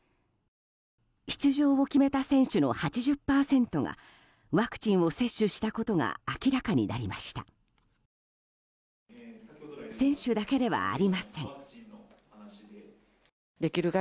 出場を決めた選手の８０％がワクチンを接種したことが明らかになりました。